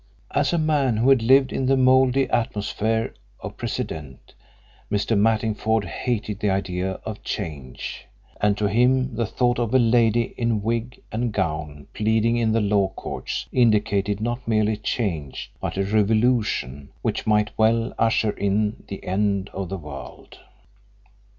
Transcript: As a man who lived in the mouldy atmosphere of precedent, Mr. Mattingford hated the idea of change, and to him the thought of a lady in wig and gown pleading in the law courts indicated not merely change but a revolution which might well usher in the end of the world.